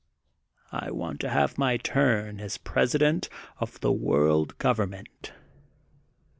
I want to have my turn as President of the World Government.